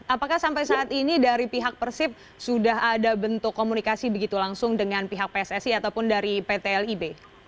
apakah sampai saat ini dari pihak persib sudah ada bentuk komunikasi begitu langsung dengan pihak pssi ataupun dari pt lib